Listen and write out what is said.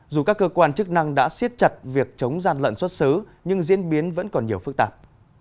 dù các cơ quan chức năng đã siết chặt việc chống gian lận xuất xứ nhưng diễn biến vẫn còn nhiều phức tạp